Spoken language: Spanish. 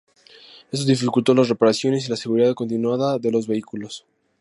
Esto dificultó las reparaciones y la seguridad continuada de los vehículos.